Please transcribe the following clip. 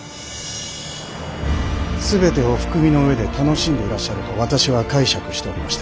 全てお含みの上で楽しんでいらっしゃると私は解釈しておりました。